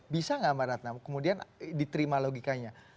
bisa nggak mbak ratna kemudian diterima logikanya